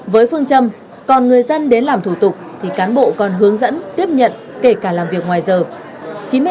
với phương châm còn người dân đến làm thủ tục thì cán bộ còn hướng dẫn tiếp nhận kể cả làm việc ngoài giờ